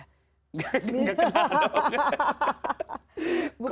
nggak kenal dong